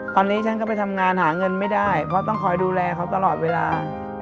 ตอนนี้ฉันก็ไปทำงานหาเงินไม่ได้เพราะต้องคอยดูแลเขาตลอดเวลา